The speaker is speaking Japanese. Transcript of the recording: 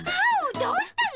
どうしたの？